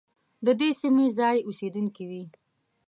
د دې سیمې ځايي اوسېدونکي وي.